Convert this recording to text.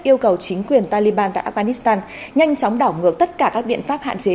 yêu cầu chính quyền taliban tại afghanistan nhanh chóng đảo ngược tất cả các biện pháp hạn chế